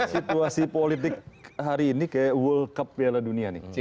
situasi politik hari ini kayak world cup piala dunia nih